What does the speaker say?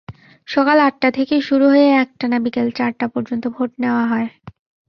সকাল আটটা থেকে শুরু হয়ে একটানা বিকেল চারটা পর্যন্ত ভোট নেওয়া হয়।